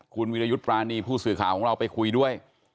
คุณวิรยุทธ์ปรานีผู้สื่อข่าวของเราไปคุยด้วย